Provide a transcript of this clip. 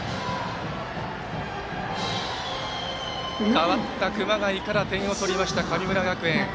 代わった熊谷から点を取りました神村学園。